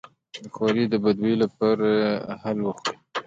د خولې د بد بوی لپاره هل وخورئ